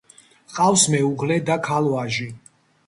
ჰყავს მეუღლე და ქალ-ვაჟი.